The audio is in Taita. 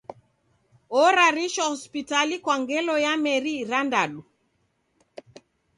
Orarishwa hospitali kwa ngelo ya meri irandadu.